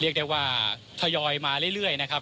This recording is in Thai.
ไม่ว่าทยอยมาเรื่อยนะครับ